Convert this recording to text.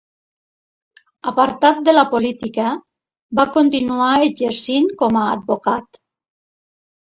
Apartat de la política, va continuar exercint com a advocat.